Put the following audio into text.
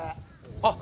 あっ。